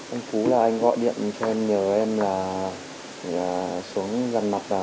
ông phú là anh gọi điện cho em nhờ em là xuống gần mặt mẹ chị đào